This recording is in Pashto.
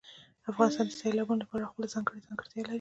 افغانستان د سیلابونو له پلوه خپله ځانګړې ځانګړتیا لري.